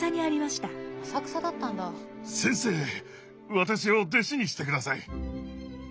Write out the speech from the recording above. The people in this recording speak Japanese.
私を弟子にしてください！